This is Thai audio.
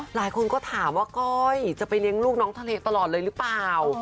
หลายคนก็ถามว่าก้อยจะไปเลี้ยงลูกน้องทะเลตลอดเลยหรือเปล่า